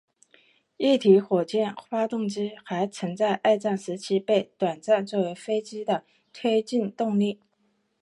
液体火箭发动机还曾在二战时期被短暂作为飞机的推进动力。